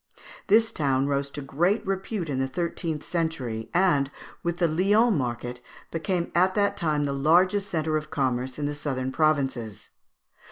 This town rose to great repute in the thirteenth century, and, with the Lyons market, became at that time the largest centre of commerce in the southern provinces.